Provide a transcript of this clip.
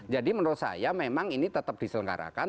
jadi menurut saya memang ini tetap diselenggarakan